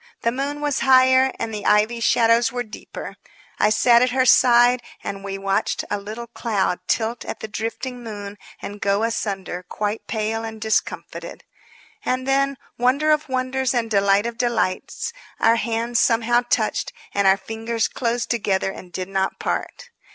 The moon was higher and the ivy shadows were deeper. I sat at her side and we watched a little cloud tilt at the drifting moon and go asunder quite pale and discomfited. And then, wonder of wonders and delight of delights! our hands somehow touched, and our fingers closed together and did not part.